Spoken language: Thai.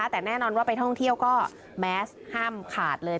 แต่แน่นอนว่าไปท่องเที่ยวก็แมสห้ามขาดเลย